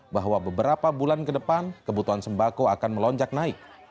bahwa beberapa bulan ke depan kebutuhan sembako akan melonjak naik